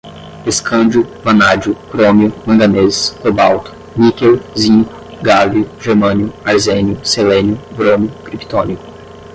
escândio, vanádio, crômio, manganês, cobalto, níquel, zinco, gálio, germânio, arsênio, selênio, bromo, criptônio